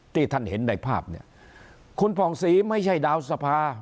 ที่ท่านเห็นในภาพเนี่ยคุณผ่องศรีไม่ใช่ดาวสภา